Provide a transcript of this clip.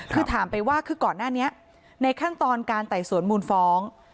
คือถามไปว่าคือก่อนหน้านี้ในขั้นตอนการไต่สวนมูลฟ้อง